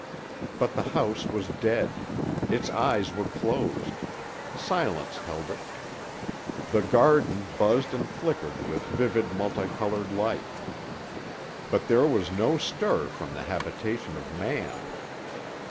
But the house was dead. Its eyes were closed. Silence held it. The garden buzzed and flickered with vivid multicolored life; but there was no stir from the habitation of man.